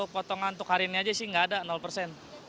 potongan untuk hari ini aja sih nggak ada persen